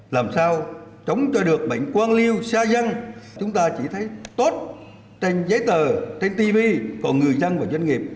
làm sao chống cho được bệnh quan liêu xa dân chúng ta chỉ thấy tốt trên giấy tờ trên tv còn người dân và doanh nghiệp